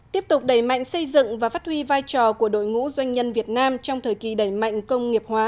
tiếp tục đẩy mạnh xây dựng và phát huy vai trò của đội ngũ doanh nhân việt nam trong thời kỳ đẩy mạnh công nghiệp hóa